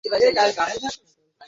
আপনিও চলুন, একসাথে খাওয়া-দাওয়া করি।